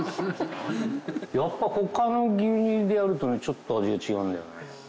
やっぱ他の牛乳でやるとねちょっと味が違うんだよね。